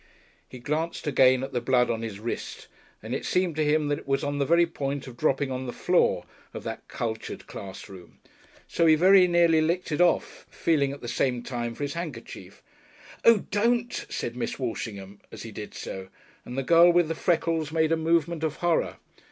He glanced again at the blood on his wrist, and it seemed to him that it was on the very point of dropping on the floor of that cultured class room. So he very neatly licked it off, feeling at the same time for his handkerchief. "Oh, don't!" said Miss Walshingham as he did so, and the girl with the freckles made a movement of horror.